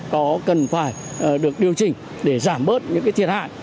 có cần phải được điều chỉnh để giảm bớt những cái thiệt hại